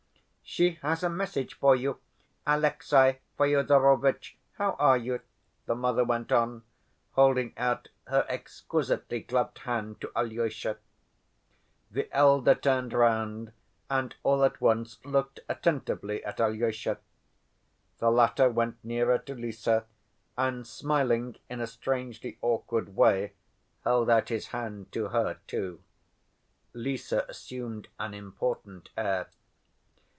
"She has a message for you, Alexey Fyodorovitch. How are you?" the mother went on, holding out her exquisitely gloved hand to Alyosha. The elder turned round and all at once looked attentively at Alyosha. The latter went nearer to Lise and, smiling in a strangely awkward way, held out his hand to her too. Lise assumed an important air.